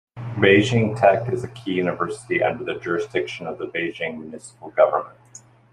Beijing Tech is a key university under the jurisdiction of the Beijing Municipal Government.